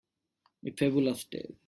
A Fabulous tale.